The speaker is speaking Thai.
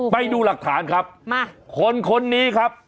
ไปดูหลักฐานครับมาคนคนนี้ครับ